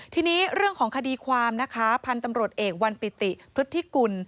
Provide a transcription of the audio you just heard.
ทีนี้เรื่องของคดีความนะคะพันธุ์ตำรวจเอกวันปิติพฤติกุล